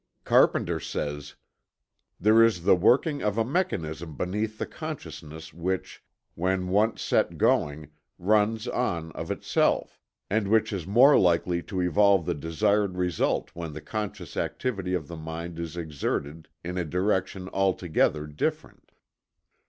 Carpenter says: "There is the working of a mechanism beneath the consciousness which, when once set going, runs on of itself, and which is more likely to evolve the desired result when the conscious activity of the mind is exerted in a direction altogether different."